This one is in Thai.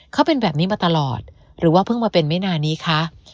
เขาเป็นแบบนี้มาตลอดหรือว่าเพิ่งมาเป็นไม่นานนี้คะ